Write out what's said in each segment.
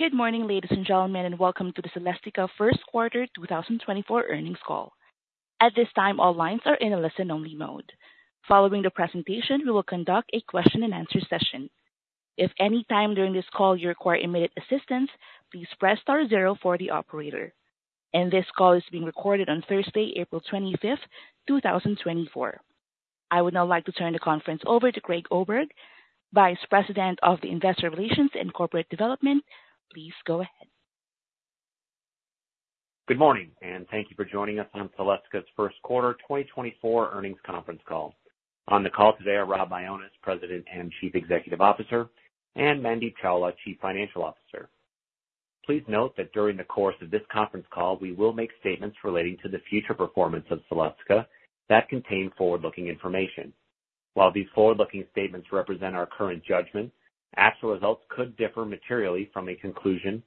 Good morning, ladies and gentlemen, and welcome to the Celestica First Quarter 2024 Earnings Call. At this time, all lines are in a listen-only mode. Following the presentation, we will conduct a question-and-answer session. If at any time during this call you require immediate assistance, please press star 0 for the operator. And this call is being recorded on Thursday, April 25th, 2024. I would now like to turn the conference over to Craig Oberg, Vice President of Investor Relations and Corporate Development. Please go ahead. Good morning, and thank you for joining us on Celestica's First Quarter 2024 Earnings Conference Call. On the call today are Rob Mionis, President and Chief Executive Officer, and Mandeep Chawla, Chief Financial Officer. Please note that during the course of this conference call, we will make statements relating to the future performance of Celestica that contain forward-looking information. While these forward-looking statements represent our current judgment, actual results could differ materially from a conclusion,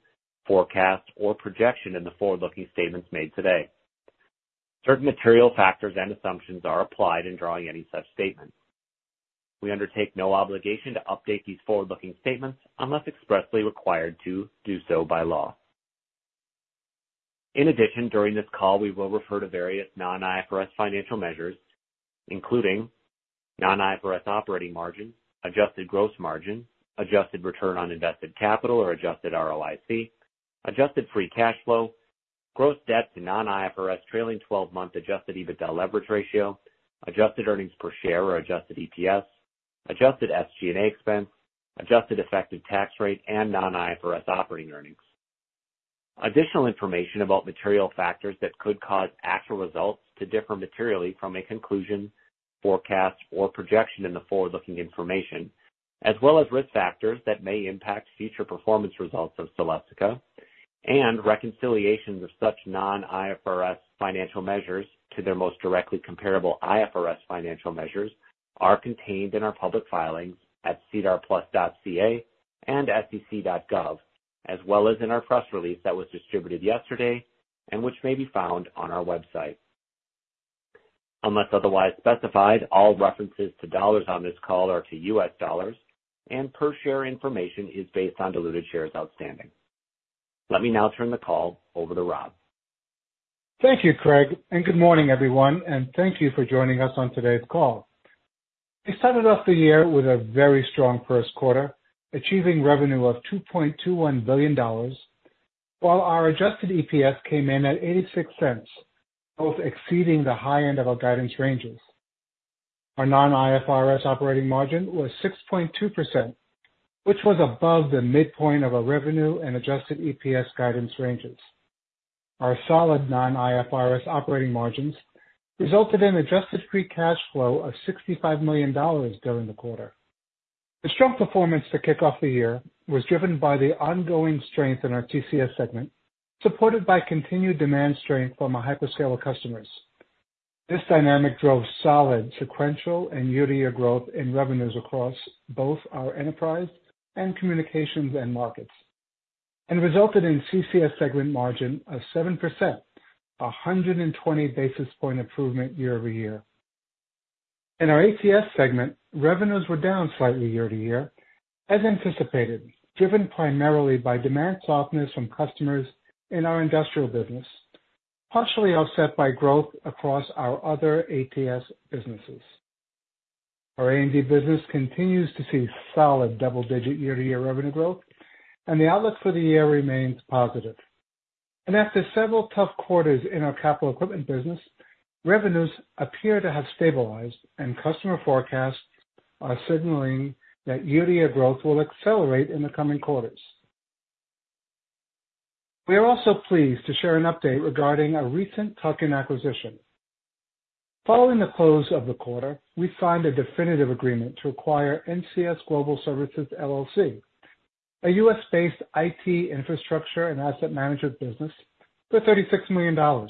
forecast, or projection in the forward-looking statements made today. Certain material factors and assumptions are applied in drawing any such statements. We undertake no obligation to update these forward-looking statements unless expressly required to do so by law. In addition, during this call, we will refer to various non-IFRS financial measures, including non-IFRS operating margin, adjusted gross margin, adjusted return on invested capital or adjusted ROIC, adjusted free cash flow, gross debt to non-IFRS trailing 12-month adjusted EBITDA leverage ratio, adjusted earnings per share or adjusted EPS, adjusted SG&A expense, adjusted effective tax rate, and non-IFRS operating earnings. Additional information about material factors that could cause actual results to differ materially from a conclusion, forecast, or projection in the forward-looking information, as well as risk factors that may impact future performance results of Celestica and reconciliations of such non-IFRS financial measures to their most directly comparable IFRS financial measures, are contained in our public filings at sedarplus.ca and sec.gov, as well as in our press release that was distributed yesterday and which may be found on our website. Unless otherwise specified, all references to dollars on this call are to U.S. dollars, and per-share information is based on diluted shares outstanding. Let me now turn the call over to Rob. Thank you, Craig, and good morning, everyone, and thank you for joining us on today's call. We started off the year with a very strong first quarter, achieving revenue of $2.21 billion, while our adjusted EPS came in at $0.86, both exceeding the high end of our guidance ranges. Our non-IFRS operating margin was 6.2%, which was above the midpoint of our revenue and adjusted EPS guidance ranges. Our solid non-IFRS operating margins resulted in adjusted free cash flow of $65 million during the quarter. The strong performance to kick off the year was driven by the ongoing strength in our CCS segment, supported by continued demand strength from our hyperscaler customers. This dynamic drove solid, sequential, and year-over-year growth in revenues across both our Enterprise and communications end markets, and resulted in a CCS segment margin of 7%, a 120 basis points improvement year-over-year. In our ATS segment, revenues were down slightly year-to-year, as anticipated, driven primarily by demand softness from customers in our Industrial business, partially offset by growth across our other ATS businesses. Our A&D business continues to see solid double-digit year-to-year revenue growth, and the outlook for the year remains positive. After several tough quarters in our Capital Equipment business, revenues appear to have stabilized, and customer forecasts are signaling that year-to-year growth will accelerate in the coming quarters. We are also pleased to share an update regarding a recent tuck-in acquisition. Following the close of the quarter, we signed a definitive agreement to acquire NCS Global Services LLC, a U.S.-based IT infrastructure and asset management business, for $36 million.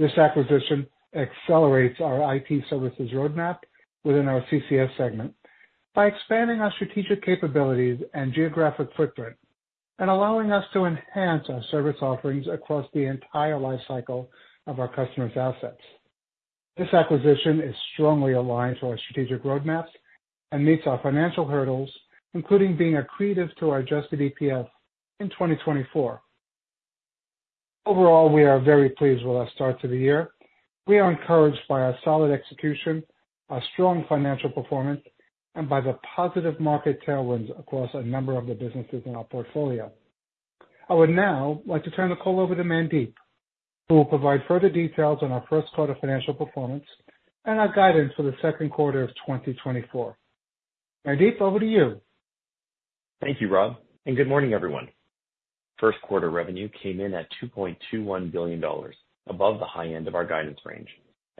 This acquisition accelerates our IT services roadmap within our CCS segment by expanding our strategic capabilities and geographic footprint and allowing us to enhance our service offerings across the entire lifecycle of our customers' assets. This acquisition is strongly aligned to our strategic roadmaps and meets our financial hurdles, including being accretive to our Adjusted EPS in 2024. Overall, we are very pleased with our start to the year. We are encouraged by our solid execution, our strong financial performance, and by the positive market tailwinds across a number of the businesses in our portfolio. I would now like to turn the call over to Mandeep, who will provide further details on our first quarter financial performance and our guidance for the second quarter of 2024. Mandeep, over to you. Thank you, Rob, and good morning, everyone. First quarter revenue came in at $2.21 billion, above the high end of our guidance range,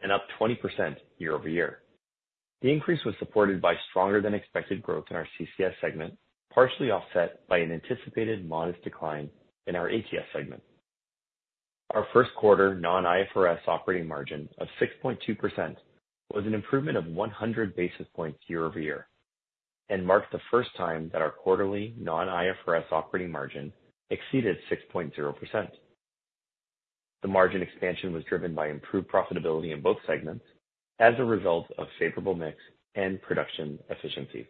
and up 20% year-over-year. The increase was supported by stronger-than-expected growth in our CCS segment, partially offset by an anticipated modest decline in our ATS segment. Our first quarter non-IFRS operating margin of 6.2% was an improvement of 100 basis points year-over-year and marked the first time that our quarterly non-IFRS operating margin exceeded 6.0%. The margin expansion was driven by improved profitability in both segments as a result of a favorable mix and production efficiencies.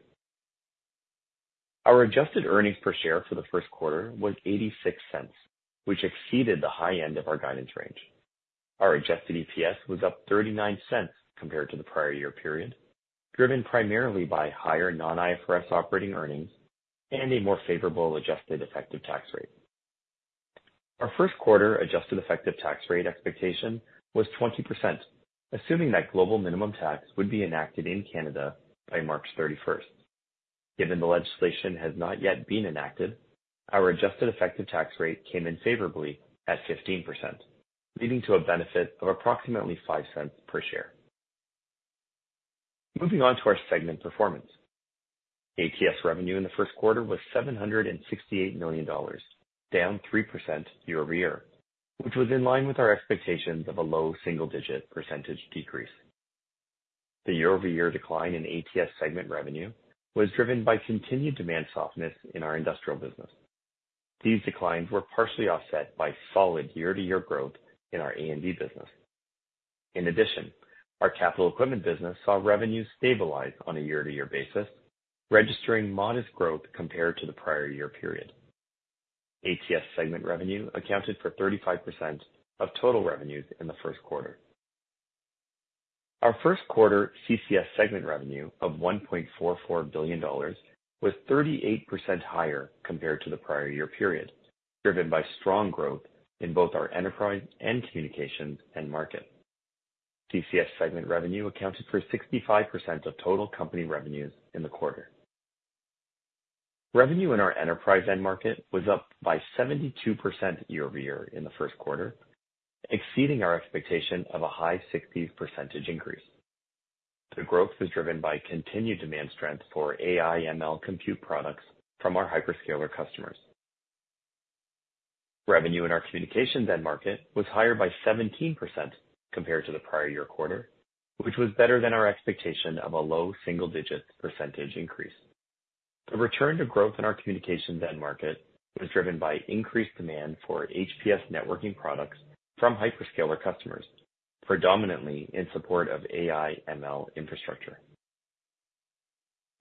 Our adjusted earnings per share for the first quarter was $0.86, which exceeded the high end of our guidance range. Our adjusted EPS was up $0.39 compared to the prior year period, driven primarily by higher non-IFRS operating earnings and a more favorable adjusted effective tax rate. Our first quarter adjusted effective tax rate expectation was 20%, assuming that Global Minimum Tax would be enacted in Canada by March 31st. Given the legislation has not yet been enacted, our adjusted effective tax rate came in favorably at 15%, leading to a benefit of approximately $0.05 per share. Moving on to our segment performance. ATS revenue in the first quarter was $768 million, down 3% year-over-year, which was in line with our expectations of a low single-digit percentage decrease. The year-over-year decline in ATS segment revenue was driven by continued demand softness in our Industrial business. These declines were partially offset by solid year-to-year growth in our A&D business. In addition, our Capital Equipment business saw revenues stabilize on a year-over-year basis, registering modest growth compared to the prior year period. ATS segment revenue accounted for 35% of total revenues in the first quarter. Our first quarter CCS segment revenue of $1.44 billion was 38% higher compared to the prior year period, driven by strong growth in both our Enterprise end-market and communications end-market. CCS segment revenue accounted for 65% of total company revenues in the quarter. Revenue in our Enterprise end-market was up by 72% year-over-year in the first quarter, exceeding our expectation of a high 60% increase. The growth was driven by continued demand strength for AI/ML compute products from our hyperscaler customers. Revenue in our communications end-market was higher by 17% compared to the prior year quarter, which was better than our expectation of a low single-digit percentage increase. The return to growth in our communications and cloud market was driven by increased demand for HPS networking products from hyperscaler customers, predominantly in support of AI/ML infrastructure.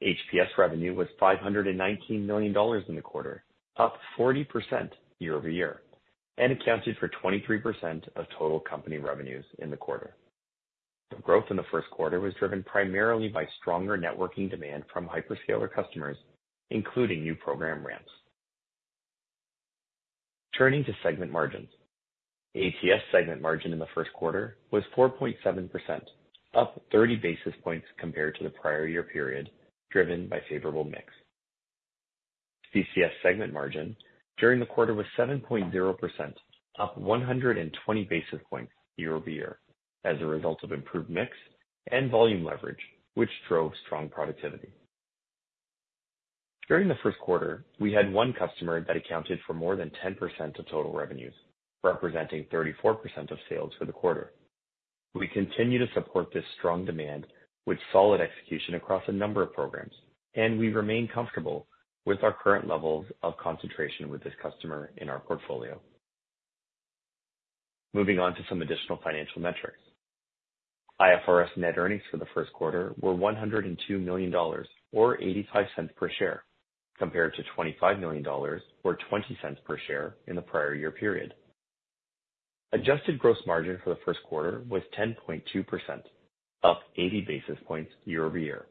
HPS revenue was $519 million in the quarter, up 40% year-over-year, and accounted for 23% of total company revenues in the quarter. The growth in the first quarter was driven primarily by stronger networking demand from hyperscaler customers, including new program ramps. Turning to segment margins. ATS segment margin in the first quarter was 4.7%, up 30 basis points compared to the prior year period, driven by a favorable mix. CCS segment margin during the quarter was 7.0%, up 120 basis points year-over-year as a result of improved mix and volume leverage, which drove strong productivity. During the first quarter, we had one customer that accounted for more than 10% of total revenues, representing 34% of sales for the quarter. We continue to support this strong demand with solid execution across a number of programs, and we remain comfortable with our current levels of concentration with this customer in our portfolio. Moving on to some additional financial metrics. IFRS net earnings for the first quarter were $102 million or $0.85 per share compared to $25 million or $0.20 per share in the prior year period. Adjusted gross margin for the first quarter was 10.2%, up 80 basis points year-over-year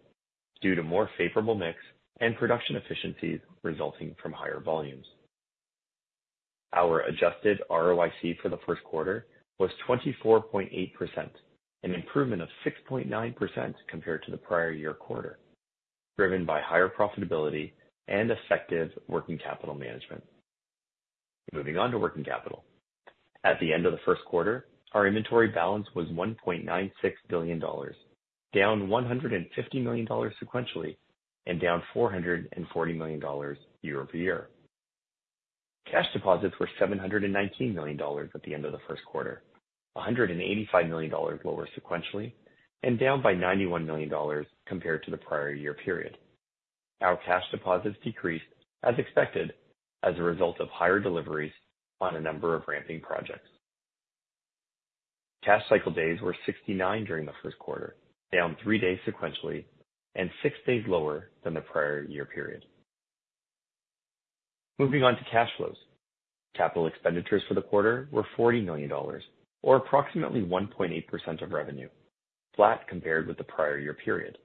due to more favorable mix and production efficiencies resulting from higher volumes. Our adjusted ROIC for the first quarter was 24.8%, an improvement of 6.9% compared to the prior year quarter, driven by higher profitability and effective working capital management. Moving on to working capital. At the end of the first quarter, our inventory balance was $1.96 billion, down $150 million sequentially and down $440 million year-over-year. Cash deposits were $719 million at the end of the first quarter, $185 million lower sequentially and down by $91 million compared to the prior year period. Our cash deposits decreased, as expected, as a result of higher deliveries on a number of ramping projects. Cash cycle days were 69 during the first quarter, down three days sequentially and six days lower than the prior year period. Moving on to cash flows. Capital expenditures for the quarter were $40 million or approximately 1.8% of revenue, flat compared with the prior year period.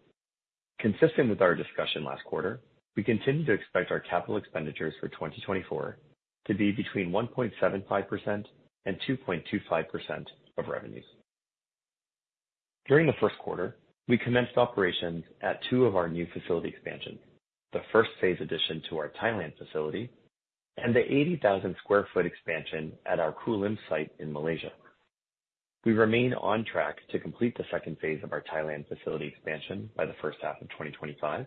Consistent with our discussion last quarter, we continue to expect our capital expenditures for 2024 to be between 1.75%-2.25% of revenues. During the first quarter, we commenced operations at two of our new facility expansions, the first-phase addition to our Thailand facility and the 80,000 sq ft expansion at our Kulim site in Malaysia. We remain on track to complete the second phase of our Thailand facility expansion by the first half of 2025,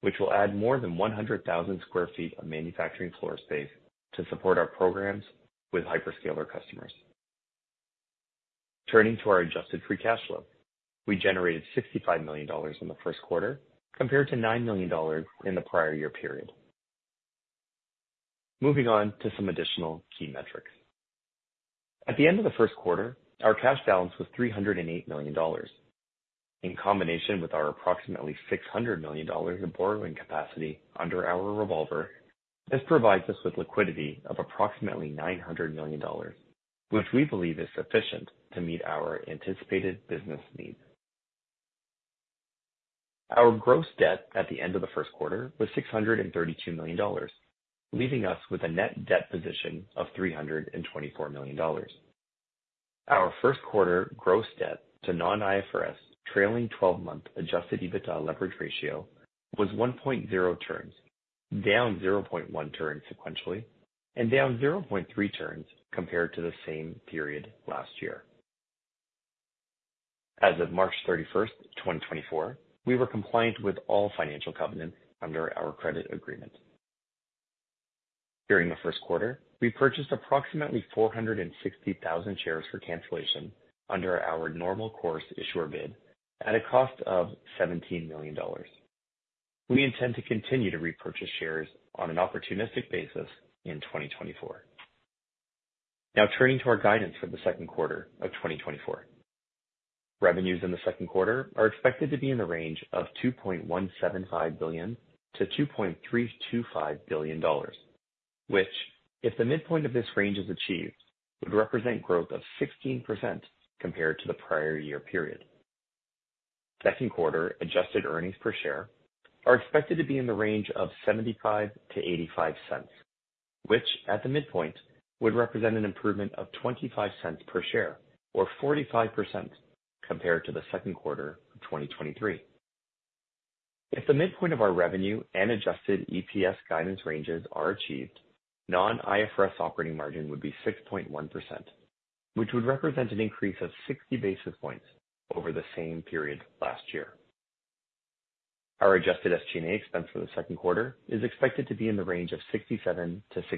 which will add more than 100,000 sq ft of manufacturing floor space to support our programs with hyperscaler customers. Turning to our adjusted free cash flow, we generated $65 million in the first quarter compared to $9 million in the prior year period. Moving on to some additional key metrics. At the end of the first quarter, our cash balance was $308 million in combination with our approximately $600 million of borrowing capacity under our revolver. This provides us with liquidity of approximately $900 million, which we believe is sufficient to meet our anticipated business needs. Our gross debt at the end of the first quarter was $632 million, leaving us with a net debt position of $324 million. Our first quarter gross debt to non-IFRS trailing 12-month adjusted EBITDA leverage ratio was 1.0 turns, down 0.1 turns sequentially and down 0.3 turns compared to the same period last year. As of March 31st, 2024, we were compliant with all financial covenants under our credit agreement. During the first quarter, we purchased approximately 460,000 shares for cancellation under our normal course issuer bid at a cost of $17 million. We intend to continue to repurchase shares on an opportunistic basis in 2024. Now, turning to our guidance for the second quarter of 2024. Revenues in the second quarter are expected to be in the range of $2.175 billion-$2.325 billion, which, if the midpoint of this range is achieved, would represent growth of 16% compared to the prior year period. Second quarter adjusted earnings per share are expected to be in the range of $0.75-$0.85, which at the midpoint would represent an improvement of $0.25 per share or 45% compared to the second quarter of 2023. If the midpoint of our revenue and adjusted EPS guidance ranges are achieved, non-IFRS operating margin would be 6.1%, which would represent an increase of 60 basis points over the same period last year. Our adjusted SG&A expense for the second quarter is expected to be in the range of $67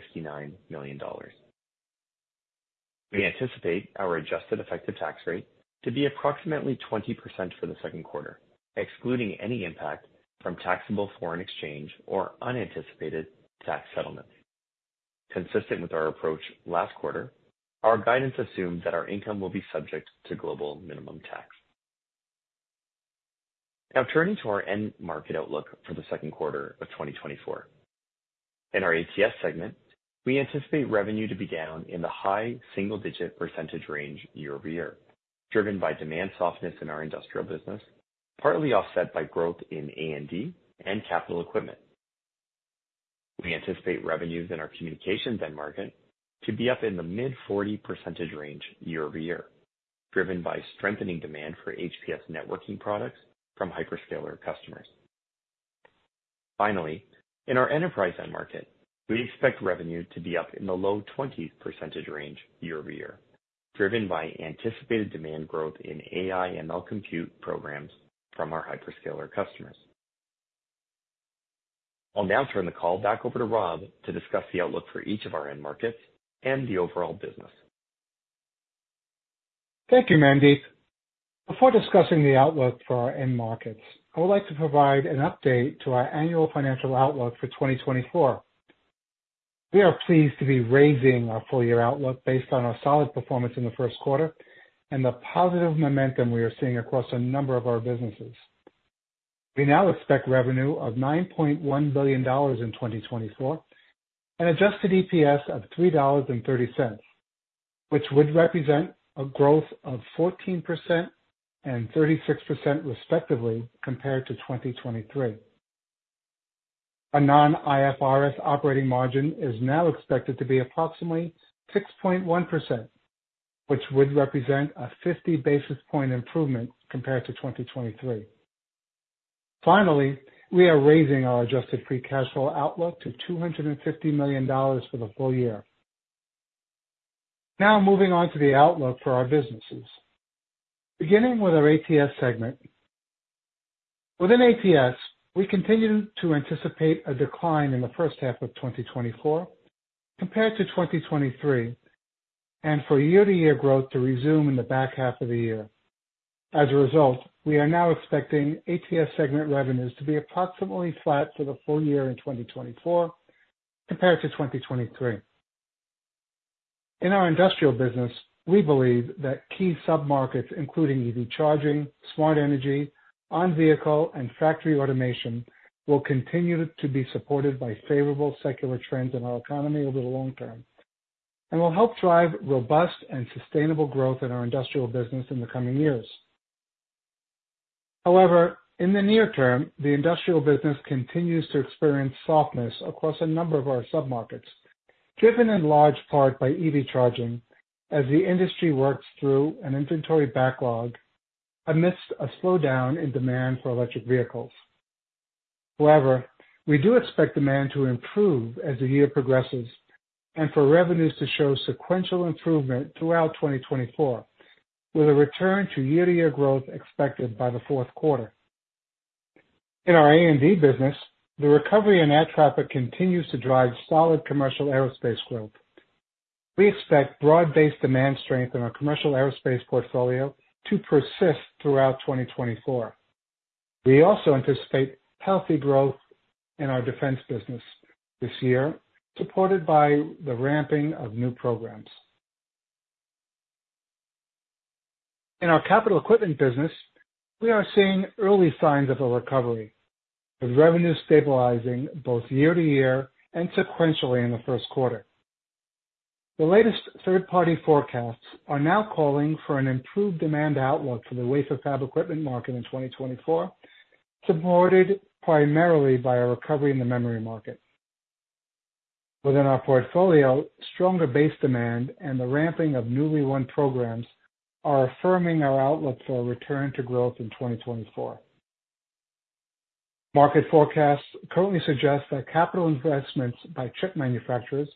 million-$69 million. We anticipate our adjusted effective tax rate to be approximately 20% for the second quarter, excluding any impact from taxable foreign exchange or unanticipated tax settlements. Consistent with our approach last quarter, our guidance assumed that our income will be subject to Global Minimum Tax. Now, turning to our end market outlook for the second quarter of 2024. In our ATS segment, we anticipate revenue to be down in the high single-digit percent range year-over-year, driven by demand softness in our Industrial business, partly offset by growth in A&D and our communications end market to be up in the mid-40% range year-over-year, driven by strengthening demand for HPS networking products from hyperscaler customers. Finally, in our Enterprise end market, we expect revenue to be up in the low-20s percent range year-over-year, driven by anticipated demand growth in AI/ML compute programs from our hyperscaler customers. I'll now turn the call back over to Rob to discuss the outlook for each of our end markets and the overall business. Thank you, Mandeep. Before discussing the outlook for our end markets, I would like to provide an update to our annual financial outlook for 2024. We are pleased to be raising our full year outlook based on our solid performance in the first quarter and the positive momentum we are seeing across a number of our businesses. We now expect revenue of $9.1 billion in 2024 and adjusted EPS of $3.30, which would represent a growth of 14% and 36% respectively compared to 2023. A non-IFRS operating margin is now expected to be approximately 6.1%, which would represent a 50 basis point improvement compared to 2023. Finally, we are raising our adjusted free cash flow outlook to $250 million for the full year. Now, moving on to the outlook for our businesses. Beginning with our ATS segment. Within ATS, we continue to anticipate a decline in the first half of 2024 compared to 2023 and for year-to-year growth to resume in the back half of the year. As a result, we are now expecting ATS segment revenues to be approximately flat for the full year in 2024 compared to 2023. In our Industrial business, we believe that key submarkets, including EV Charging, Smart Energy, On-Vehicle, and Factory Automation, will continue to be supported by favorable secular trends in our economy over the long term and will help drive robust and sustainable growth in our Industrial business in the coming years. However, in the near term, the Industrial business continues to experience softness across a number of our submarkets, driven in large part by EV Charging as the industry works through an inventory backlog amidst a slowdown in demand for electric vehicles. However, we do expect demand to improve as the year progresses and for revenues to show sequential improvement throughout 2024, with a return to year-to-year growth expected by the fourth quarter. In our A&D business, the recovery in air traffic continues to drive solid commercial aerospace growth. We expect broad-based demand strength in our commercial aerospace portfolio to persist throughout 2024. We also anticipate healthy growth in our defense business this year, supported by the ramping of new programs. In our Capital Equipment business, we are seeing early signs of a recovery, with revenues stabilizing both year-to-year and sequentially in the first quarter. The latest third-party forecasts are now calling for an improved demand outlook for the Wafer Fab Equipment market in 2024, supported primarily by a recovery in the memory market. Within our portfolio, stronger base demand and the ramping of newly won programs are affirming our outlook for a return to growth in 2024. Market forecasts currently suggest that capital investments by chip manufacturers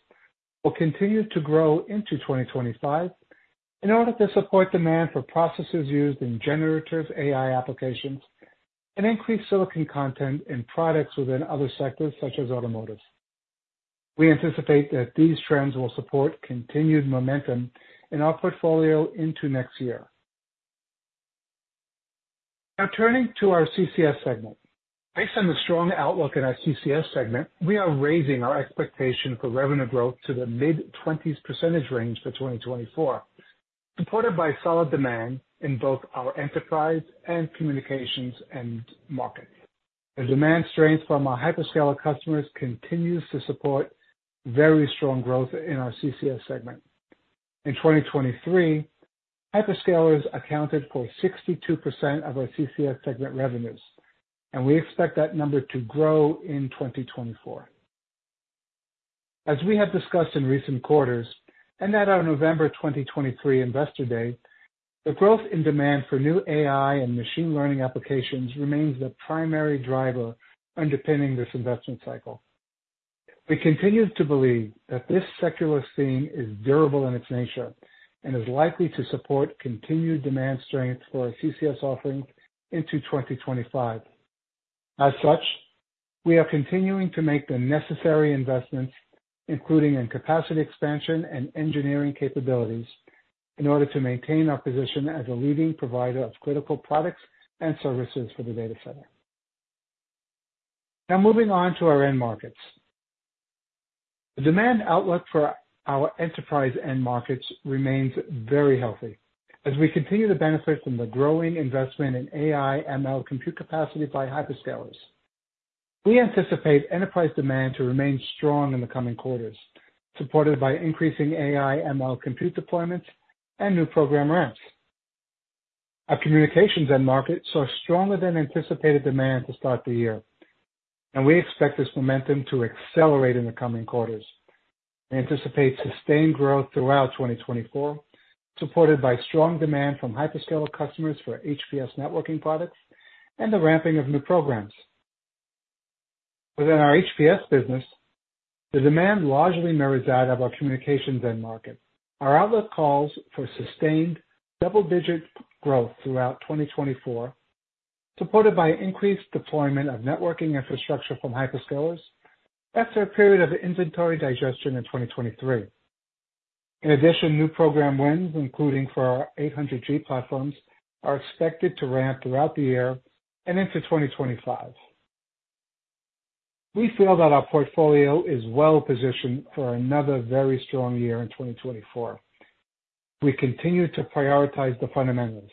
will continue to grow into 2025 in order to support demand for processes used in generative AI applications and increase silicon content in products within other sectors such as automotive. We anticipate that these trends will support continued momentum in our portfolio into next year. Now, turning to our CCS segment. Based on the strong outlook in our CCS segment, we are raising our expectation for revenue growth to the mid-20s percent range for 2024, supported by solid demand in both our Enterprise and communications end markets. The demand strength from our hyperscaler customers continues to support very strong growth in our CCS segment. In 2023, hyperscalers accounted for 62% of our CCS segment revenues, and we expect that number to grow in 2024. As we have discussed in recent quarters and at our November 2023 Investor Day, the growth in demand for new AI and machine learning applications remains the primary driver underpinning this investment cycle. We continue to believe that this secular theme is durable in its nature and is likely to support continued demand strength for our CCS offerings into 2025. As such, we are continuing to make the necessary investments, including in capacity expansion and engineering capabilities, in order to maintain our position as a leading provider of critical products and services for the data center. Now, moving on to our end markets. The demand outlook for our Enterprise end markets remains very healthy as we continue to benefit from the growing investment in AI/ML compute capacity by hyperscalers. We anticipate Enterprise demand to remain strong in the coming quarters, supported by increasing AI/ML compute deployments and new program ramps. Our communications end markets saw stronger than anticipated demand to start the year, and we expect this momentum to accelerate in the coming quarters. We anticipate sustained growth throughout 2024, supported by strong demand from hyperscaler customers for HPS networking products and the ramping of new programs. Within our HPS business, the demand largely mirrors that of our communications end market. Our outlook calls for sustained double-digit growth throughout 2024, supported by increased deployment of networking infrastructure from hyperscalers after a period of inventory digestion in 2023. In addition, new program wins, including for our 800G platforms, are expected to ramp throughout the year and into 2025. We feel that our portfolio is well positioned for another very strong year in 2024. We continue to prioritize the fundamentals: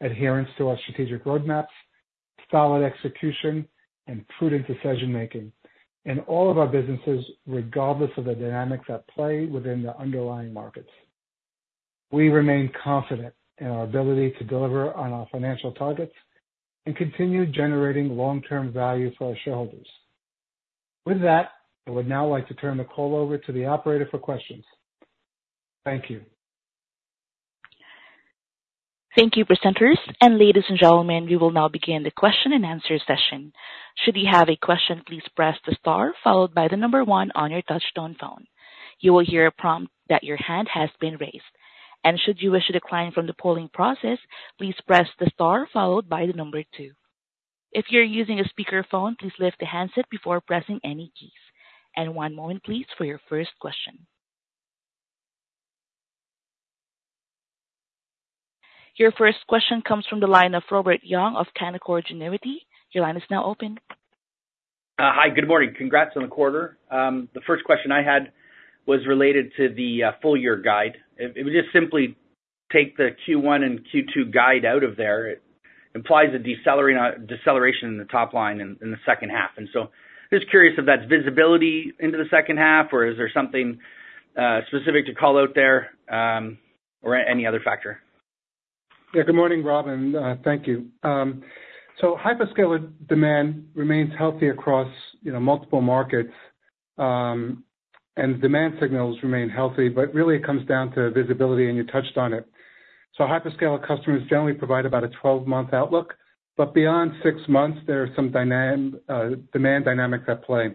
adherence to our strategic roadmaps, solid execution, and prudent decision-making in all of our businesses, regardless of the dynamics at play within the underlying markets. We remain confident in our ability to deliver on our financial targets and continue generating long-term value for our shareholders. With that, I would now like to turn the call over to the operator for questions. Thank you. Thank you, presenters. Ladies and gentlemen, we will now begin the question and answer session. Should you have a question, please press the star followed by the number one on your touch-tone phone. You will hear a prompt that your hand has been raised. Should you wish to decline from the polling process, please press the star followed by the number two. If you're using a speakerphone, please lift the handset before pressing any keys. One moment, please, for your first question. Your first question comes from the line of Robert Young of Canaccord Genuity. Your line is now open. Hi. Good morning. Congrats on the quarter. The first question I had was related to the full year guide. It would just simply take the Q1 and Q2 guide out of there. It implies a deceleration in the top line in the second half. And so I'm just curious if that's visibility into the second half, or is there something specific to call out there, or any other factor? Yeah. Good morning, Rob. Thank you. So hyperscaler demand remains healthy across multiple markets, and demand signals remain healthy. But really, it comes down to visibility, and you touched on it. So hyperscaler customers generally provide about a 12-month outlook. But beyond six months, there are some demand dynamics at play.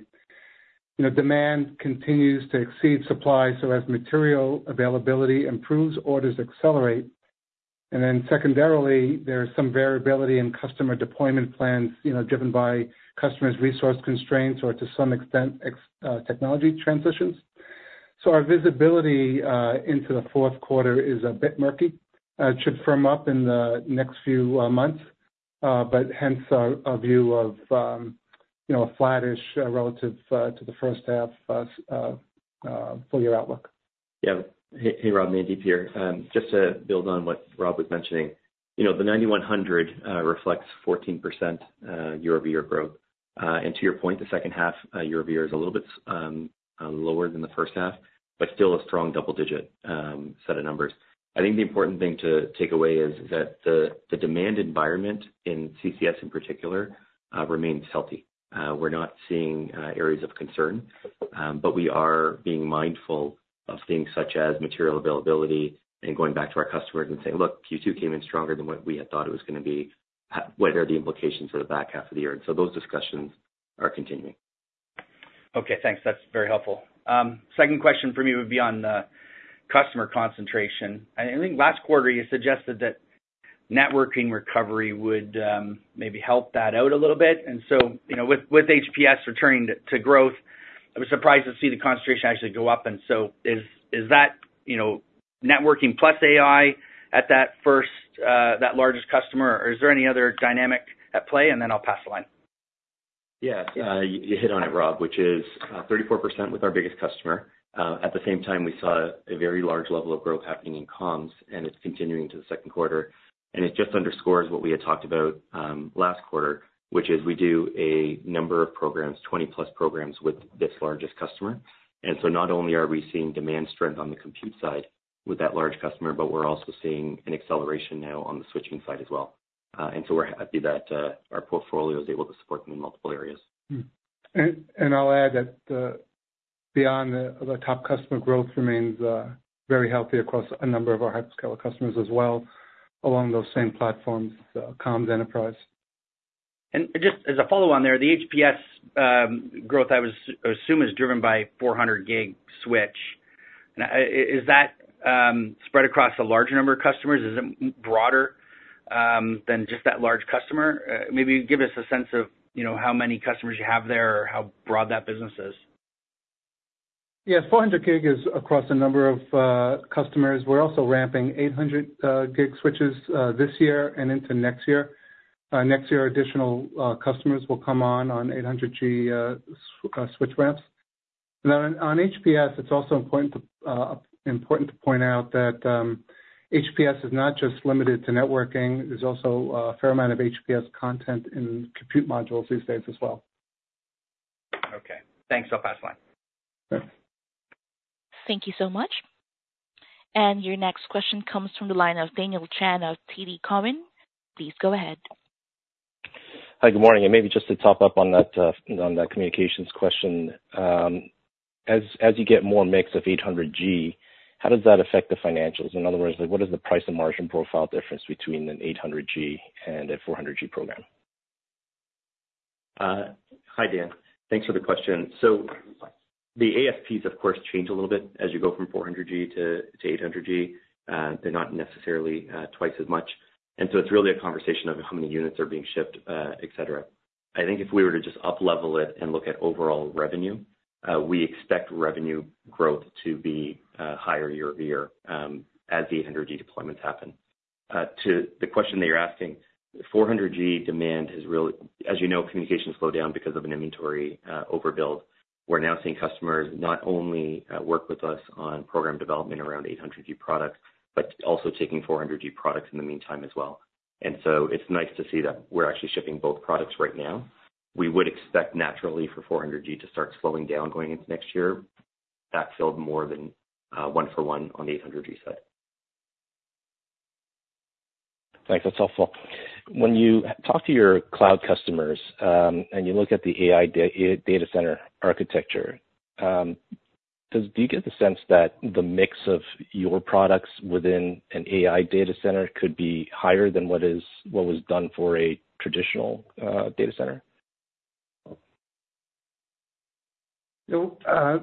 Demand continues to exceed supply. So as material availability improves, orders accelerate. And then secondarily, there's some variability in customer deployment plans driven by customers' resource constraints or, to some extent, technology transitions. So our visibility into the fourth quarter is a bit murky. It should firm up in the next few months, but hence a view of a flattish relative to the first half full year outlook. Yeah. Hey, Rob. Mandeep here. Just to build on what Rob was mentioning, the 9100 reflects 14% year-over-year growth. And to your point, the second half year-over-year is a little bit lower than the first half, but still a strong double-digit set of numbers. I think the important thing to take away is that the demand environment in CCS in particular remains healthy. We're not seeing areas of concern, but we are being mindful of things such as material availability and going back to our customers and saying, "Look, Q2 came in stronger than what we had thought it was going to be. What are the implications of the back half of the year?" And so those discussions are continuing. Okay. Thanks. That's very helpful. Second question from you would be on the customer concentration. I think last quarter, you suggested that networking recovery would maybe help that out a little bit. And so with HPS returning to growth, I was surprised to see the concentration actually go up. And so is that networking plus AI at that largest customer, or is there any other dynamic at play? And then I'll pass the line. Yeah. You hit on it, Rob, which is 34% with our biggest customer. At the same time, we saw a very large level of growth happening in comms, and it's continuing to the second quarter. And it just underscores what we had talked about last quarter, which is we do a number of programs, 20-plus programs, with this largest customer. And so not only are we seeing demand strength on the compute side with that large customer, but we're also seeing an acceleration now on the switching side as well. And so we're happy that our portfolio is able to support them in multiple areas. I'll add that beyond the top customer, growth remains very healthy across a number of our hyperscaler customers as well along those same platforms, comms Enterprise. Just as a follow-on there, the HPS growth, I assume, is driven by 400G switch. Is that spread across a larger number of customers? Is it broader than just that large customer? Maybe give us a sense of how many customers you have there or how broad that business is. Yes. 400G is across a number of customers. We're also ramping 800G switches this year and into next year. Next year, additional customers will come on 800G switch ramps. Now, on HPS, it's also important to point out that HPS is not just limited to networking. There's also a fair amount of HPS content in compute modules these days as well. Okay. Thanks. I'll pass the line. Thanks. Thank you so much. Your next question comes from the line of Daniel Chan of TD Cowen. Please go ahead. Hi. Good morning. Maybe just to top up on that communications question, as you get more mix of 800G, how does that affect the financials? In other words, what is the price and margin profile difference between an 800G and a 400G program? Hi, Dan. Thanks for the question. So the ASPs, of course, change a little bit as you go from 400G to 800G. They're not necessarily twice as much. And so it's really a conversation of how many units are being shipped, etc. I think if we were to just uplevel it and look at overall revenue, we expect revenue growth to be higher year-over-year as the 800G deployments happen. To the question that you're asking, 400G demand has really as you know, communications slow down because of an inventory overbuild. We're now seeing customers not only work with us on program development around 800G products but also taking 400G products in the meantime as well. And so it's nice to see that we're actually shipping both products right now. We would expect, naturally, for 400G to start slowing down going into next year. That filled more than 1-for-1 on the 800G side. Thanks. That's helpful. When you talk to your cloud customers and you look at the AI data center architecture, do you get the sense that the mix of your products within an AI data center could be higher than what was done for a traditional data center? So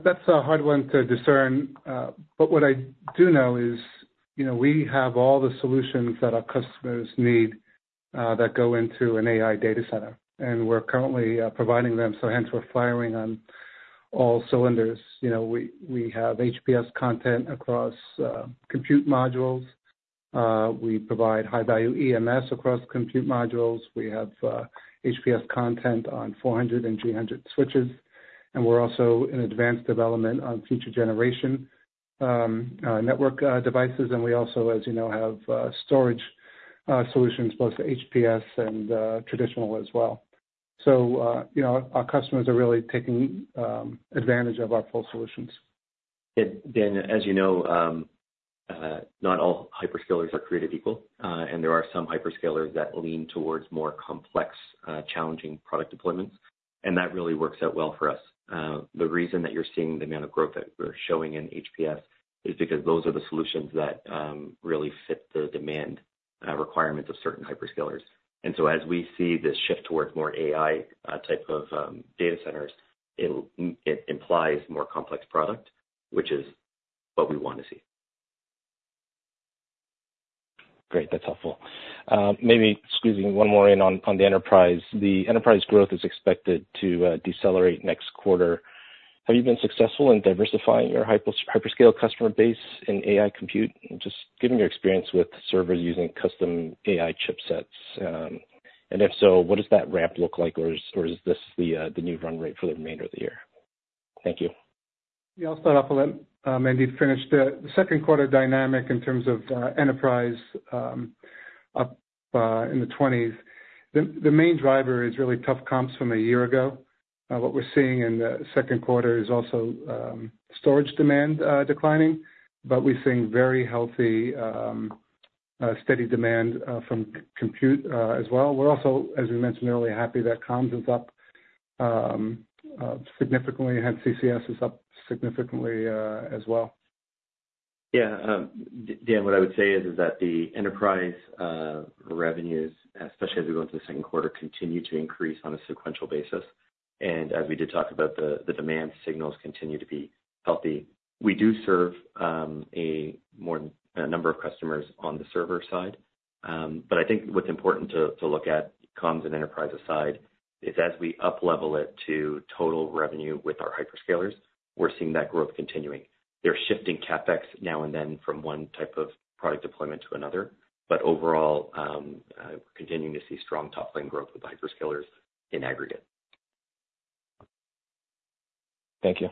that's a hard one to discern. But what I do know is we have all the solutions that our customers need that go into an AI data center. And we're currently providing them. So hence, we're firing on all cylinders. We have HPS content across compute modules. We provide high-value EMS across compute modules. We have HPS content on 400G and 800G switches. And we're also in advanced development on future generation network devices. And we also, as you know, have storage solutions, both HPS and traditional as well. So our customers are really taking advantage of our full solutions. Dan, as you know, not all hyperscalers are created equal. And there are some hyperscalers that lean towards more complex, challenging product deployments. And that really works out well for us. The reason that you're seeing the amount of growth that we're showing in HPS is because those are the solutions that really fit the demand requirements of certain hyperscalers. And so as we see this shift towards more AI type of data centers, it implies more complex product, which is what we want to see. Great. That's helpful. Maybe squeezing one more in on the Enterprise. The Enterprise growth is expected to decelerate next quarter. Have you been successful in diversifying your hyperscale customer base in AI compute? Just give me your experience with servers using custom AI chipsets. And if so, what does that ramp look like, or is this the new run rate for the remainder of the year? Thank you. Yeah. I'll start off on that. Mandeep finish. The second quarter dynamic in terms of Enterprise up in the 20s. The main driver is really tough comms from a year ago. What we're seeing in the second quarter is also storage demand declining. But we're seeing very healthy, steady demand from compute as well. We're also, as we mentioned earlier, happy that comms is up significantly. Hence, CCS is up significantly as well. Yeah. Dan, what I would say is that the Enterprise revenues, especially as we go into the second quarter, continue to increase on a sequential basis. As we did talk about, the demand signals continue to be healthy. We do serve a number of customers on the server side. But I think what's important to look at, comms and Enterprise aside, is as we uplevel it to total revenue with our hyperscalers, we're seeing that growth continuing. They're shifting CapEx now and then from one type of product deployment to another. But overall, we're continuing to see strong top-line growth with hyperscalers in aggregate. Thank you.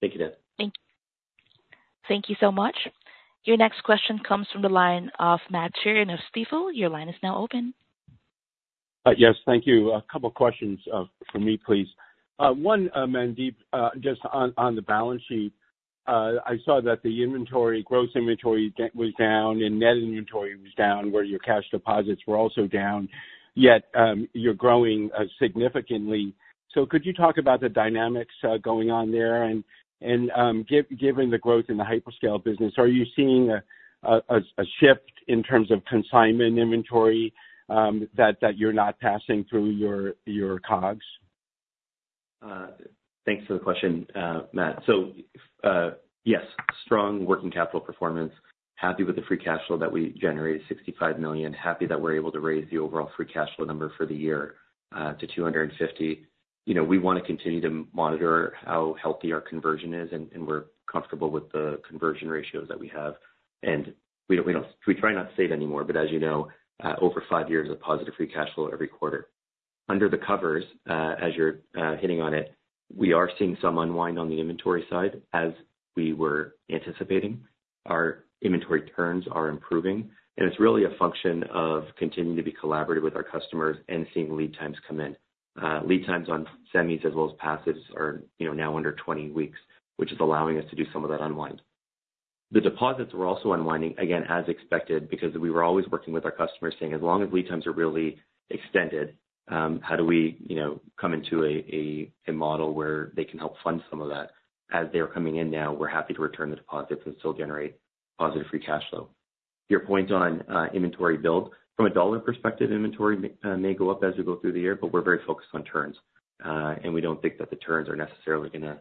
Thank you, Dan. Thank you so much. Your next question comes from the line of Matt Sheerin of Stifel. Your line is now open. Yes. Thank you. A couple of questions from me, please. One, Mandeep, just on the balance sheet, I saw that the gross inventory was down, and net inventory was down, where your cash deposits were also down. Yet you're growing significantly. So could you talk about the dynamics going on there? And given the growth in the hyperscale business, are you seeing a shift in terms of consignment inventory that you're not passing through your COGS? Thanks for the question, Matt. So yes, strong working capital performance. Happy with the free cash flow that we generated, $65 million. Happy that we're able to raise the overall free cash flow number for the year to $250 million. We want to continue to monitor how healthy our conversion is. And we're comfortable with the conversion ratios that we have. And we try not to say it anymore. But as you know, over 5 years, a positive free cash flow every quarter. Under the covers, as you're hitting on it, we are seeing some unwind on the inventory side as we were anticipating. Our inventory turns are improving. And it's really a function of continuing to be collaborative with our customers and seeing lead times come in. Lead times on semis as well as passives are now under 20 weeks, which is allowing us to do some of that unwind. The deposits were also unwinding, again, as expected because we were always working with our customers, saying, "As long as lead times are really extended, how do we come into a model where they can help fund some of that?" As they're coming in now, we're happy to return the deposits and still generate positive free cash flow. Your point on inventory build, from a dollar perspective, inventory may go up as we go through the year. But we're very focused on turns. We don't think that the turns are necessarily going to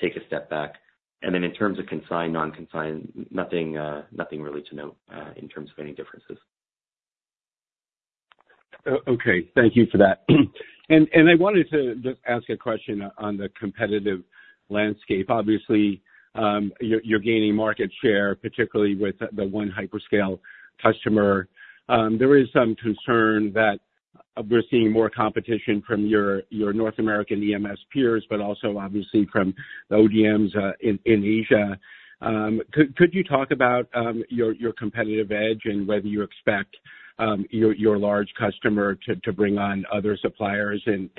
take a step back. Then in terms of consignment, non-consignment, nothing really to note in terms of any differences. Okay. Thank you for that. And I wanted to just ask a question on the competitive landscape. Obviously, you're gaining market share, particularly with the one hyperscale customer. There is some concern that we're seeing more competition from your North American EMS peers but also, obviously, from the ODMs in Asia. Could you talk about your competitive edge and whether you expect your large customer to bring on other suppliers? And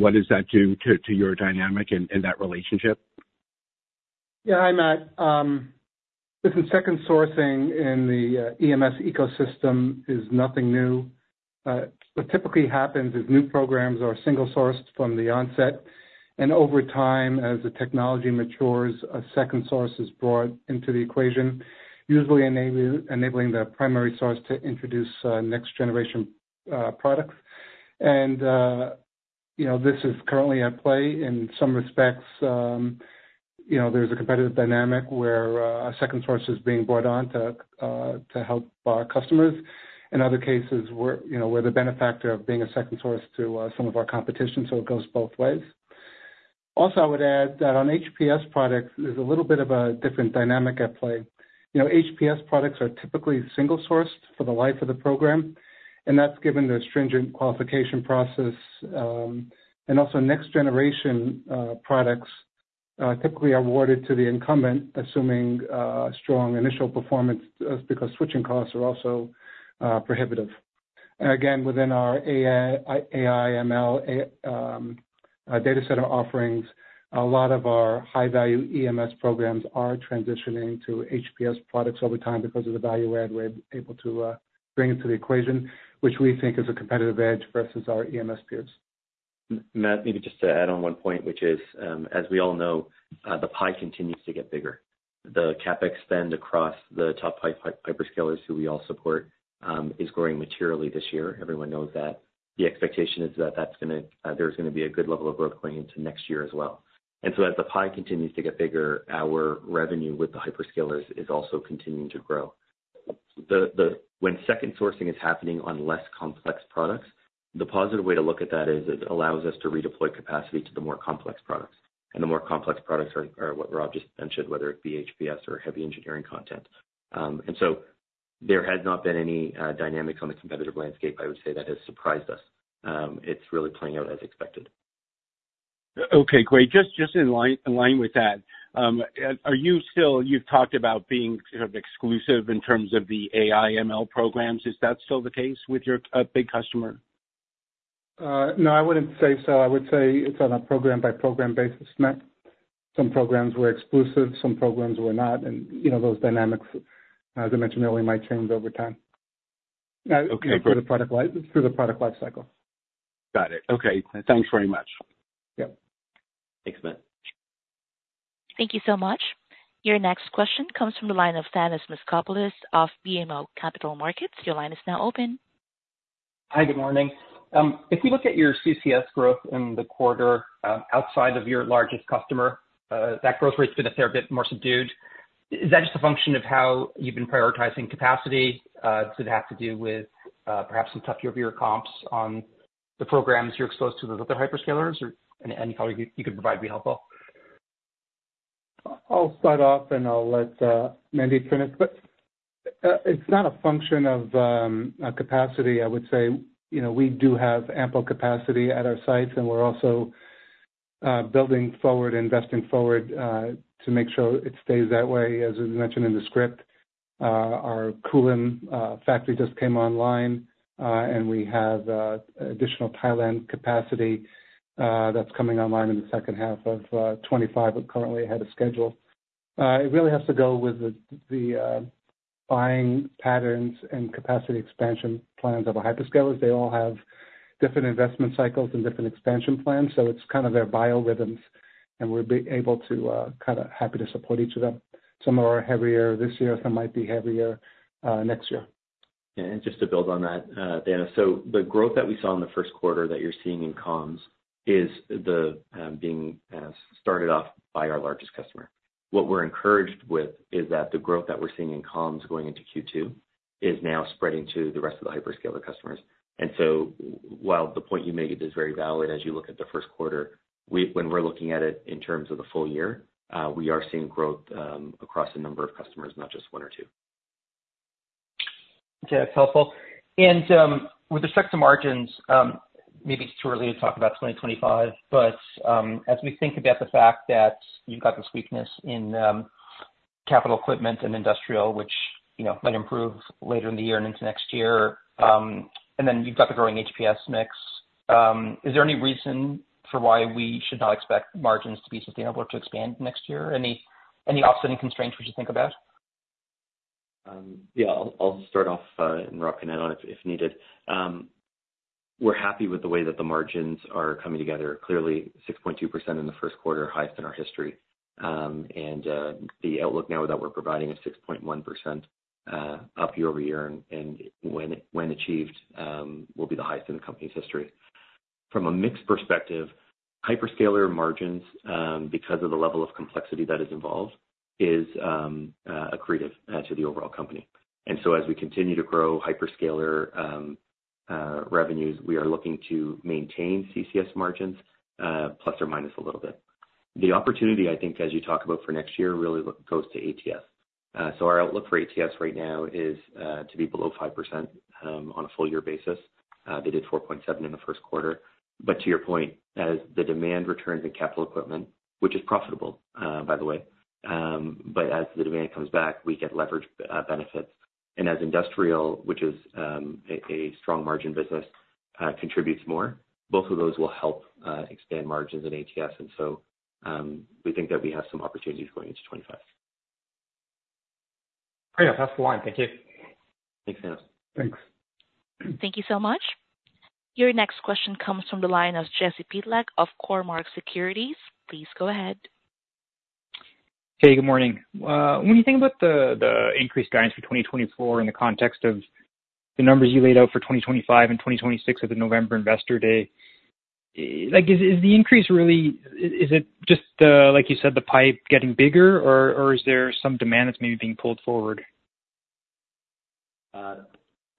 what does that do to your dynamic and that relationship? Yeah. Hi, Matt. Listen, second sourcing in the EMS ecosystem is nothing new. What typically happens is new programs are single-sourced from the onset. And over time, as the technology matures, a second source is brought into the equation, usually enabling the primary source to introduce next-generation products. And this is currently at play. In some respects, there's a competitive dynamic where a second source is being brought on to help our customers. In other cases, we're the benefactor of being a second source to some of our competition. So it goes both ways. Also, I would add that on HPS products, there's a little bit of a different dynamic at play. HPS products are typically single-sourced for the life of the program. And that's given the stringent qualification process. And also, next-generation products typically are awarded to the incumbent, assuming strong initial performance because switching costs are also prohibitive. And again, within our AI/ML data center offerings, a lot of our high-value EMS programs are transitioning to HPS products over time because of the value add we're able to bring into the equation, which we think is a competitive edge versus our EMS peers. Matt, maybe just to add on one point, which is, as we all know, the pie continues to get bigger. The CapEx spend across the top five hyperscalers who we all support is growing materially this year. Everyone knows that. The expectation is that there's going to be a good level of growth going into next year as well. And so as the pie continues to get bigger, our revenue with the hyperscalers is also continuing to grow. When second sourcing is happening on less complex products, the positive way to look at that is it allows us to redeploy capacity to the more complex products. And the more complex products are what Rob just mentioned, whether it be HPS or heavy engineering content. And so there has not been any dynamics on the competitive landscape, I would say, that has surprised us. It's really playing out as expected. Okay. Great. Just in line with that, you've talked about being sort of exclusive in terms of the AI/ML programs. Is that still the case with your big customer? No. I wouldn't say so. I would say it's on a program-by-program basis, Matt. Some programs were exclusive. Some programs were not. And those dynamics, as I mentioned earlier, might change over time through the product lifecycle. Got it. Okay. Thanks very much. Yep. Thanks, Matt. Thank you so much. Your next question comes from the line of Thanos Moschopoulos of BMO Capital Markets. Your line is now open. Hi. Good morning. If we look at your CCS growth in the quarter outside of your largest customer, that growth rate's been a fair bit more subdued. Is that just a function of how you've been prioritizing capacity? Does it have to do with perhaps some tougher of your comps on the programs you're exposed to with other hyperscalers? Any color you could provide would be helpful. I'll start off, and I'll let Mandeep finish. But it's not a function of capacity, I would say. We do have ample capacity at our sites. And we're also building forward, investing forward to make sure it stays that way. As we mentioned in the script, our Kulim factory just came online. And we have additional Thailand capacity that's coming online in the second half of 2025, but currently ahead of schedule. It really has to go with the buying patterns and capacity expansion plans of our hyperscalers. They all have different investment cycles and different expansion plans. So it's kind of their biorhythms. And we're able to kind of happy to support each of them. Some are heavier this year. Some might be heavier next year. Yeah. And just to build on that, Dan, so the growth that we saw in the first quarter that you're seeing in comms is being started off by our largest customer. What we're encouraged with is that the growth that we're seeing in comms going into Q2 is now spreading to the rest of the hyperscaler customers. And so while the point you made is very valid as you look at the first quarter, when we're looking at it in terms of the full year, we are seeing growth across a number of customers, not just one or two. Okay. That's helpful. With respect to margins, maybe it's too early to talk about 2025. As we think about the fact that you've got this weakness in Capital Equipment and Industrial, which might improve later in the year and into next year, and then you've got the growing HPS mix, is there any reason for why we should not expect margins to be sustainable or to expand next year? Any offsetting constraints we should think about? Yeah. I'll start off and Rob can end on it if needed. We're happy with the way that the margins are coming together. Clearly, 6.2% in the first quarter, highest in our history. And the outlook now that we're providing is 6.1% up year-over-year. And when achieved, will be the highest in the company's history. From a mixed perspective, hyperscaler margins, because of the level of complexity that is involved, is accretive to the overall company. And so as we continue to grow hyperscaler revenues, we are looking to maintain CCS margins plus or minus a little bit. The opportunity, I think, as you talk about for next year, really goes to ATS. So our outlook for ATS right now is to be below 5% on a full-year basis. They did 4.7% in the first quarter. But to your point, as the demand returns in Capital Equipment, which is profitable, by the way, but as the demand comes back, we get leveraged benefits. And as Industrial, which is a strong margin business, contributes more, both of those will help expand margins in ATS. And so we think that we have some opportunities going into 2025. Great. That's the line. Thank you. Thanks, Thanos. Thanks. Thank you so much. Your next question comes from the line of Jesse Pytlak of Cormark Securities. Please go ahead. Hey. Good morning. When you think about the increased guidance for 2024 in the context of the numbers you laid out for 2025 and 2026 at the November Investor Day, is the increase really? Is it just, like you said, the pipe getting bigger? Or is there some demand that's maybe being pulled forward?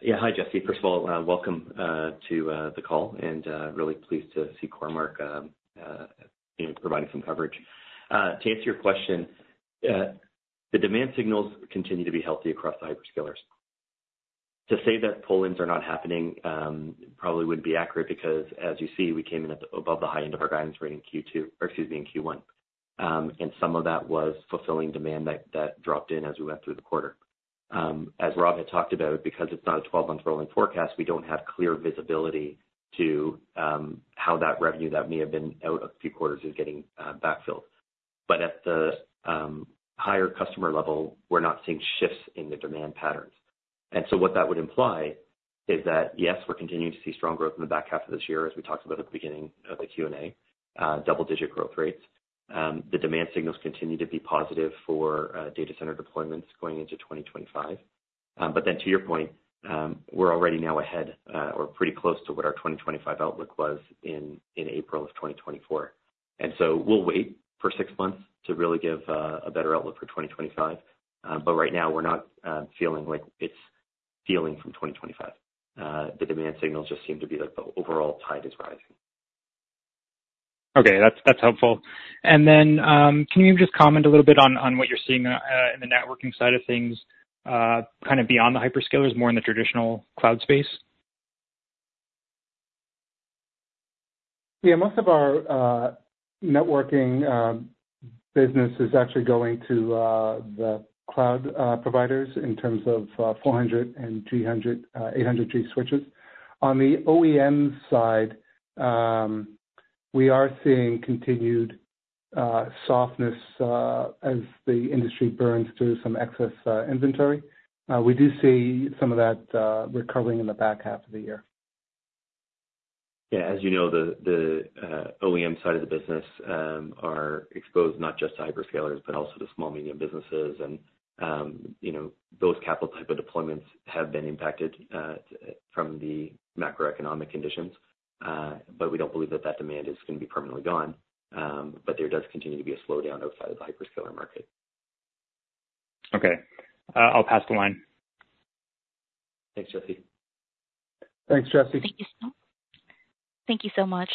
Yeah. Hi, Jesse. First of all, welcome to the call. And really pleased to see Cormark providing some coverage. To answer your question, the demand signals continue to be healthy across the hyperscalers. To say that pull-ins are not happening probably wouldn't be accurate because, as you see, we came in above the high end of our guidance range in Q2 or excuse me, in Q1. And some of that was fulfilling demand that dropped in as we went through the quarter. As Rob had talked about, because it's not a 12-month rolling forecast, we don't have clear visibility to how that revenue that may have been out a few quarters is getting backfilled. But at the higher customer level, we're not seeing shifts in the demand patterns. And so what that would imply is that, yes, we're continuing to see strong growth in the back half of this year, as we talked about at the beginning of the Q&A, double-digit growth rates. The demand signals continue to be positive for data center deployments going into 2025. But then, to your point, we're already now ahead or pretty close to what our 2025 outlook was in April of 2024. And so we'll wait for six months to really give a better outlook for 2025. But right now, we're not feeling like it's peeling from 2025. The demand signals just seem to be like the overall tide is rising. Okay. That's helpful. And then can you just comment a little bit on what you're seeing in the networking side of things kind of beyond the hyperscalers, more in the traditional cloud space? Yeah. Most of our networking business is actually going to the cloud providers in terms of 400G and 800G switches. On the OEM side, we are seeing continued softness as the industry burns through some excess inventory. We do see some of that recovering in the back half of the year. Yeah. As you know, the OEM side of the business are exposed not just to hyperscalers but also to small, medium businesses. Those capital type of deployments have been impacted from the macroeconomic conditions. We don't believe that that demand is going to be permanently gone. There does continue to be a slowdown outside of the hyperscaler market. Okay. I'll pass the line. Thanks, Jesse. Thanks, Jesse. Thank you so much.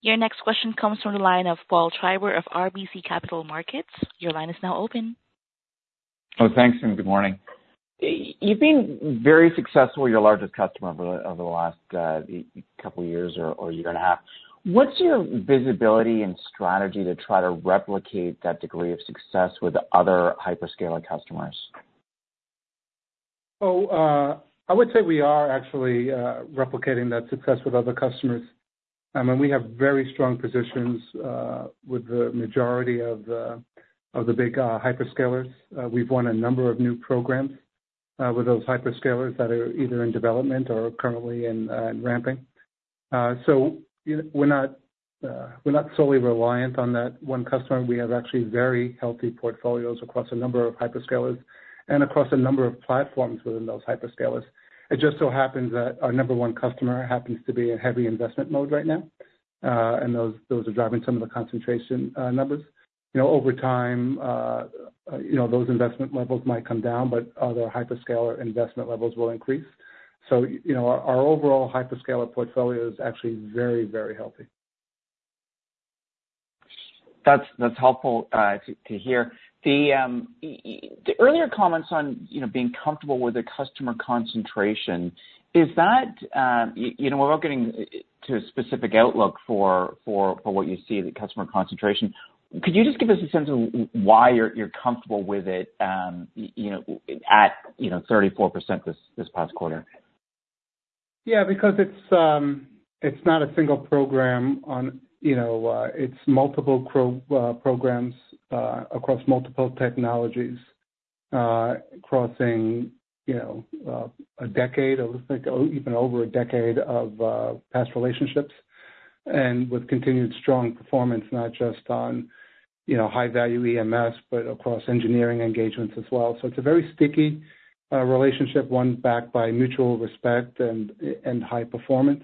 Your next question comes from the line of Paul Treiber of RBC Capital Markets. Your line is now open. Oh, thanks. And good morning. You've been very successful with your largest customer over the last couple of years or year and a half. What's your visibility and strategy to try to replicate that degree of success with other hyperscaler customers? Oh, I would say we are actually replicating that success with other customers. I mean, we have very strong positions with the majority of the big hyperscalers. We've won a number of new programs with those hyperscalers that are either in development or currently in ramping. So we're not solely reliant on that one customer. We have actually very healthy portfolios across a number of hyperscalers and across a number of platforms within those hyperscalers. It just so happens that our number one customer happens to be in heavy investment mode right now. And those are driving some of the concentration numbers. Over time, those investment levels might come down. But other hyperscaler investment levels will increase. So our overall hyperscaler portfolio is actually very, very healthy. That's helpful to hear. The earlier comments on being comfortable with the customer concentration, is that without getting to a specific outlook for what you see, the customer concentration, could you just give us a sense of why you're comfortable with it at 34% this past quarter? Yeah. Because it's not a single program. It's multiple programs across multiple technologies, crossing a decade or even over a decade of past relationships and with continued strong performance, not just on high-value EMS but across engineering engagements as well. So it's a very sticky relationship, one backed by mutual respect and high performance.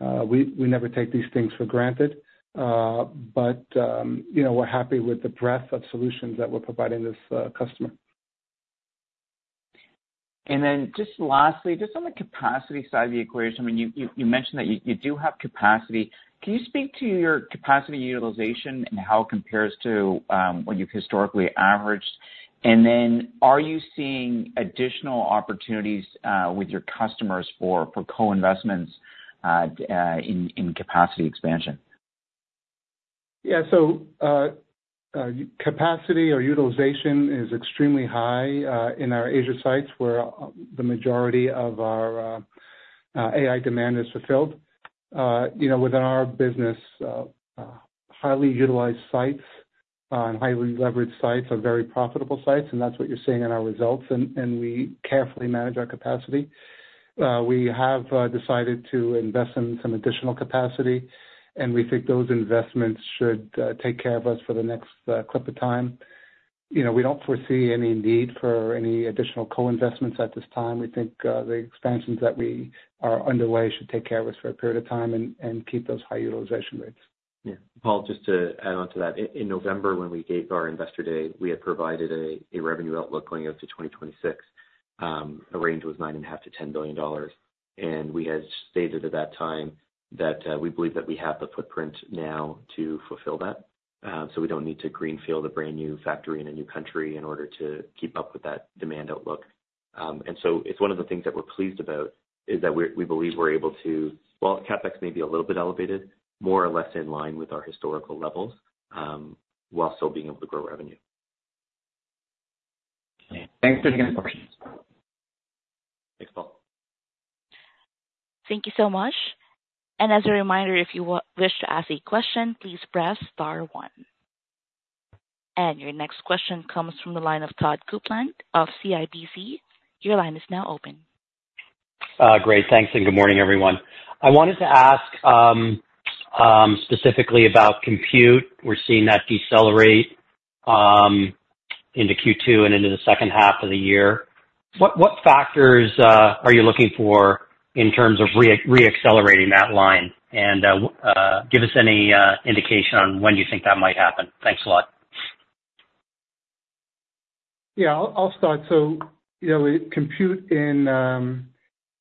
We never take these things for granted. But we're happy with the breadth of solutions that we're providing this customer. And then just lastly, just on the capacity side of the equation, I mean, you mentioned that you do have capacity. Can you speak to your capacity utilization and how it compares to what you've historically averaged? And then are you seeing additional opportunities with your customers for co-investments in capacity expansion? Yeah. So capacity or utilization is extremely high in our Asia sites where the majority of our AI demand is fulfilled. Within our business, highly utilized sites and highly leveraged sites are very profitable sites. And that's what you're seeing in our results. And we carefully manage our capacity. We have decided to invest in some additional capacity. And we think those investments should take care of us for the next clip of time. We don't foresee any need for any additional co-investments at this time. We think the expansions that are underway should take care of us for a period of time and keep those high utilization rates. Yeah. Paul, just to add on to that, in November, when we gave our Investor Day, we had provided a revenue outlook going out to 2026. The range was $9.5 billion-$10 billion. We had stated at that time that we believe that we have the footprint now to fulfill that. So we don't need to greenfield a brand new factory in a new country in order to keep up with that demand outlook. So it's one of the things that we're pleased about is that we believe we're able to, well, CapEx may be a little bit elevated, more or less in line with our historical levels while still being able to grow revenue. Okay. Thanks for taking the questions. Thanks, Paul. Thank you so much. As a reminder, if you wish to ask a question, please press star one. Your next question comes from the line of Todd Coupland of CIBC. Your line is now open. Great. Thanks. Good morning, everyone. I wanted to ask specifically about compute. We're seeing that decelerate into Q2 and into the second half of the year. What factors are you looking for in terms of reaccelerating that line? Give us any indication on when you think that might happen. Thanks a lot. Yeah. I'll start. So compute in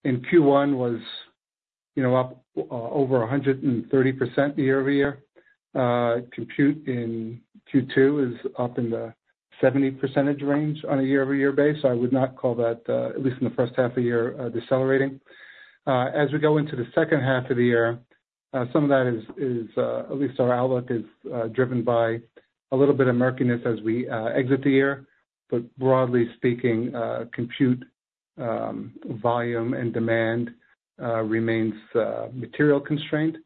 Q1 was up over 130% year-over-year. Compute in Q2 is up in the 70% range on a year-over-year basis. So I would not call that, at least in the first half of the year, decelerating. As we go into the second half of the year, some of that is at least our outlook is driven by a little bit of murkiness as we exit the year. But broadly speaking, compute volume and demand remains material constraint.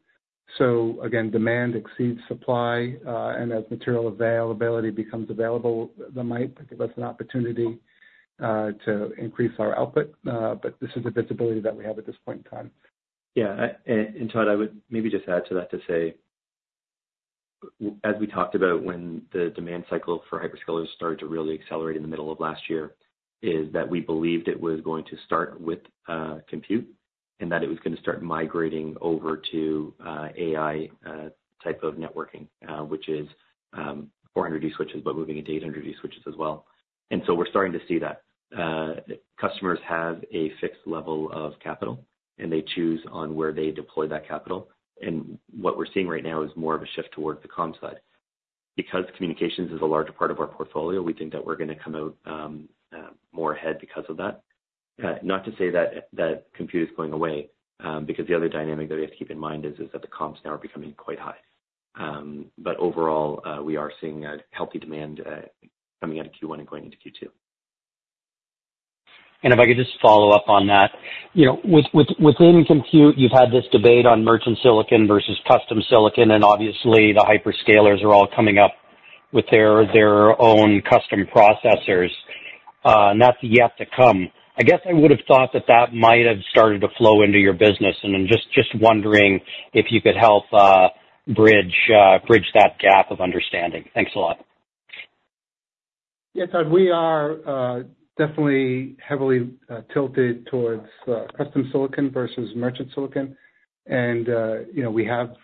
So again, demand exceeds supply. And as material availability becomes available, that might give us an opportunity to increase our output. But this is the visibility that we have at this point in time. Yeah. And Todd, I would maybe just add to that to say, as we talked about when the demand cycle for hyperscalers started to really accelerate in the middle of last year, is that we believed it was going to start with compute and that it was going to start migrating over to AI type of networking, which is 400G switches but moving into 800G switches as well. And so we're starting to see that. Customers have a fixed level of capital. And they choose on where they deploy that capital. And what we're seeing right now is more of a shift toward the comms side. Because communications is a larger part of our portfolio, we think that we're going to come out more ahead because of that. Not to say that compute is going away because the other dynamic that we have to keep in mind is that the comms now are becoming quite high. But overall, we are seeing healthy demand coming out of Q1 and going into Q2. If I could just follow up on that, within compute, you've had this debate on merchant silicon versus custom silicon. Obviously, the hyperscalers are all coming up with their own custom processors. That's yet to come. I guess I would have thought that that might have started to flow into your business. I'm just wondering if you could help bridge that gap of understanding. Thanks a lot. Yeah, Todd, we are definitely heavily tilted towards custom silicon versus merchant silicon. And we have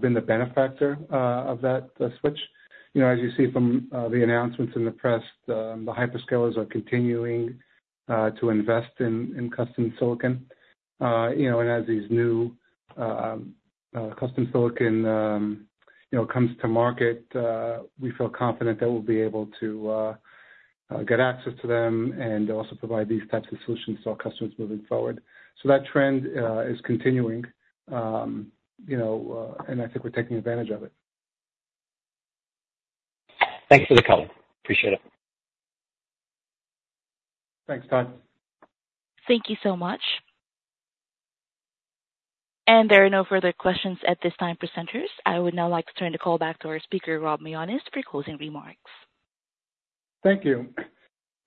been the beneficiary of that switch. As you see from the announcements in the press, the hyperscalers are continuing to invest in custom silicon. And as these new custom silicon comes to market, we feel confident that we'll be able to get access to them and also provide these types of solutions to our customers moving forward. So that trend is continuing. And I think we're taking advantage of it. Thanks for the call. Appreciate it. Thanks, Todd. Thank you so much. There are no further questions at this time, presenters. I would now like to turn the call back to our speaker, Rob Mionis, for closing remarks. Thank you.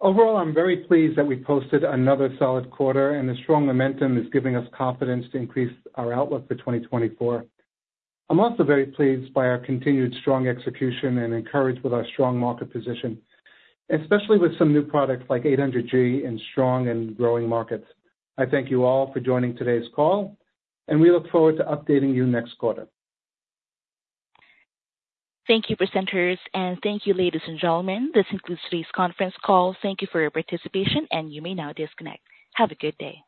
Overall, I'm very pleased that we posted another solid quarter. The strong momentum is giving us confidence to increase our outlook for 2024. I'm also very pleased by our continued strong execution and encouraged with our strong market position, especially with some new products like 800G in strong and growing markets. I thank you all for joining today's call. We look forward to updating you next quarter. Thank you, presenters. Thank you, ladies and gentlemen. This concludes today's conference call. Thank you for your participation. You may now disconnect. Have a good day.